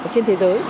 trên thế giới